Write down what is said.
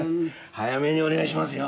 早めにお願いしますよ。